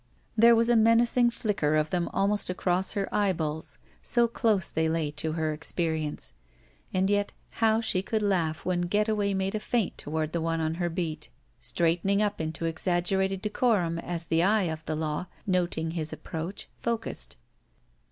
There was a menacing flicker of t^em almost across her eyeballs, so close they lay to her experience, and yet how she could laugh when Getaway made a feint toward the one on her beat, straightening up into exaggerated decorum as the eye of the law, noting his approach, focused.